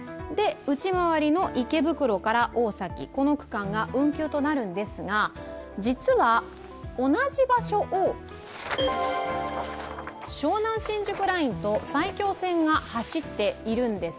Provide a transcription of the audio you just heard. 内回りの池袋から大崎の区間が運休となるんですが、実は同じ場所を湘南新宿ラインと埼京線が走っているんです。